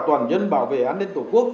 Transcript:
toàn dân bảo vệ an ninh tổ quốc